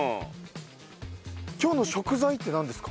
今日の食材ってなんですか？